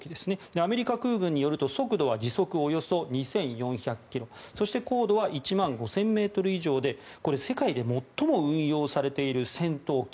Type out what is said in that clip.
アメリカ空軍によると速度は時速およそ２４００キロそして高度は１万５０００ｍ以上で世界で最も運用されている戦闘機。